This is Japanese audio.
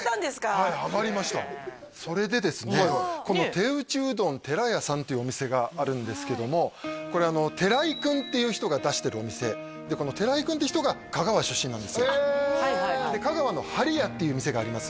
はいハマりましたそれでですねというお店があるんですけどもこれ寺井君っていう人が出してるお店この寺井君って人が香川出身なんですよで香川のはりやっていう店があります